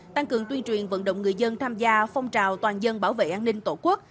tăng cường tuyên truyền vận động người dân tham gia phong trào toàn dân bảo vệ an ninh tổ quốc